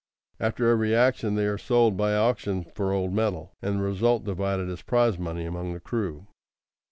After every action they are sold by auction for old metal, and the result divided as prize money among the crew.